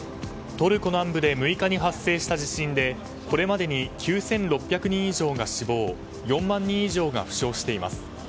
トルコ南部で６日に発生した地震でこれまでに９６００人以上が死亡４万人以上が負傷しています。